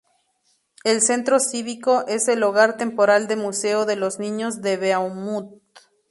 El Centro Cívico es el hogar temporal de Museo de los Niños de Beaumont.